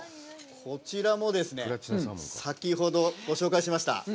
こちらはですね、先ほどご紹介しました。